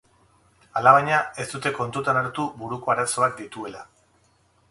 Alabaina, ez dute kontutan hartu buruko arazoak dituela.